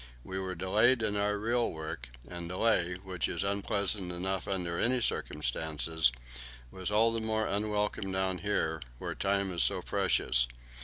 We were delayed in our real work, and delay, which is unpleasant enough in any circumstances, was all the more unwelcome down here, where time is so precious.